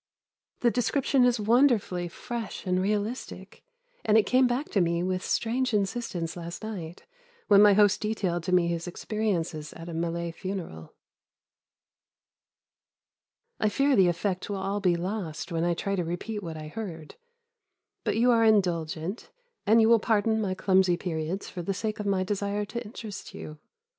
The description is wonderfully fresh and realistic, and it came back to me with strange insistence last night when my host detailed to me his experiences at a Malay funeral. I fear the effect will all be lost when I try to repeat what I heard but you are indulgent, and you will pardon my clumsy periods for the sake of my desire to interest you.